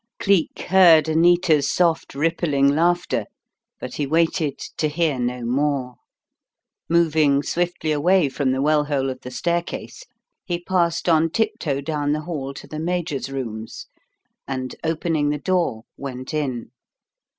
Cleek heard Anita's soft rippling laughter; but he waited to hear no more. Moving swiftly away from the well hole of the staircase he passed on tiptoe down the hall to the Major's rooms, and, opening the door, went in.